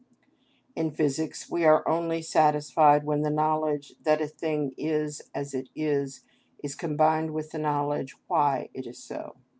In physics we are only satisfied when the knowledge that a thing is as it is is combined with the knowledge why it is so.